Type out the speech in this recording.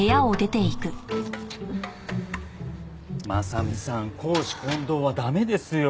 真実さん公私混同はダメですよ。